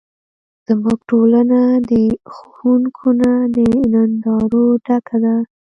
زموږ ټولنه د ښوونکو نه، د نندارو ډکه ده.